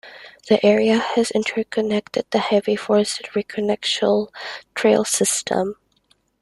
The area has an inter-connected and heavily forested recreational trail system.